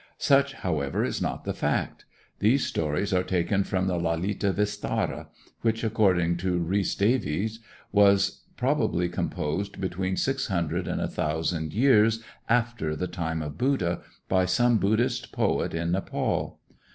Such, however, is not the fact. These stories are taken from the Lalita Vistara, which, according to Rhys Davids, was probably composed between six hundred and a thousand years after the time of Buddha, by some Buddhist poet in Nepaul.